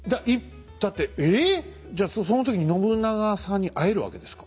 じゃその時に信長さんに会えるわけですか？